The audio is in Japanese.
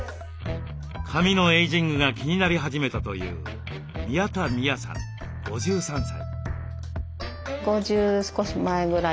髪のエイジングが気になり始めたという宮田美弥さん５３歳。